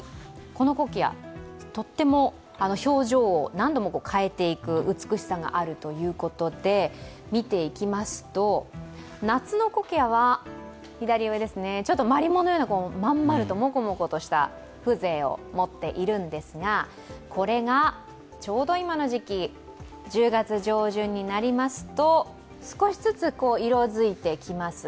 このコキア、とっても表情を何度も変えていく美しさがあるということで見ていきますと夏のコキアはちょっとまりものような、まん丸と、モコモコとした風情を持っているんですが、これがちょうど今の時期１０月上旬になりますと少しずつ色づいてきます。